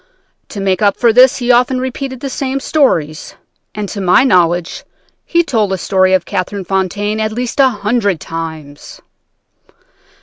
To make up for this he often repeated the same stories, and to my knowledge he told the story of Catherine Fontaine at least a hundred times.